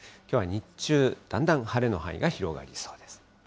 きょうは日中、だんだん晴れの範囲が広がりそうです。